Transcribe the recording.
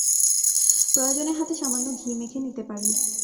প্রয়োজনে হাতে সামান্য ঘি মেখে নিতে পারেন।